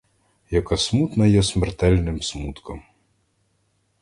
Яка смутна я смертельним смутком!